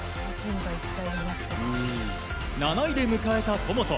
７位で迎えた戸本。